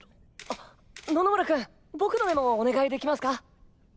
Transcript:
あ野々村君僕のでもお願いできますか。